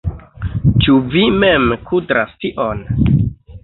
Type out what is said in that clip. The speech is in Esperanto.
Ĉu vi mem kudras tion?